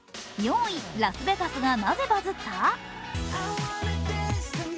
４位、ラスベガスがなぜバズった？